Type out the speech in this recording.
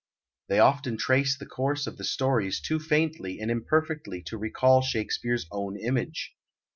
They often trace the course of the stories too faintly and imperfectly to recall Shakespeare's own image.